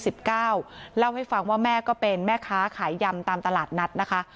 เล่าให้ฟังว่าแม่ก็เป็นแม่ค้าขายยำตามตลาดนัดนะคะ